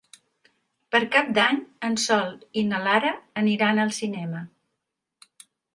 Per Cap d'Any en Sol i na Lara aniran al cinema.